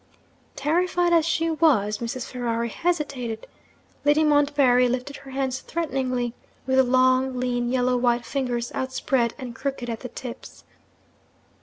Terrified as she was, Mrs. Ferrari hesitated. Lady Montbarry lifted her hands threateningly, with the long, lean, yellow white fingers outspread and crooked at the tips.